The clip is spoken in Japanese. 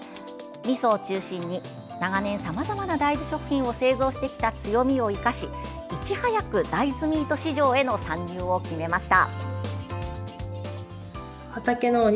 みそを中心に長年、さまざまな大豆食品を製造してきた強みを生かしいち早く大豆ミート市場への参入を決めました。